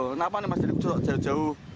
kenapa nih mas dari jauh jauh